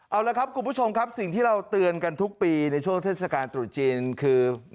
เอาละครับคุณผู้ชมครับสิ่งที่เราเตือนกันทุกปีในช่วงเทศกาลตรุษจีนคือ